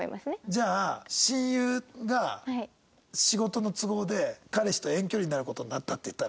じゃあ親友が仕事の都合で彼氏と遠距離になる事になったって言ったら？